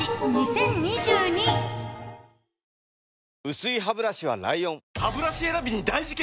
薄いハブラシは ＬＩＯＮハブラシ選びに大事件！